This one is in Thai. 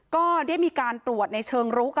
ชุมชนแฟลต๓๐๐๐๐คนพบเชื้อ๓๐๐๐๐คนพบเชื้อ๓๐๐๐๐คน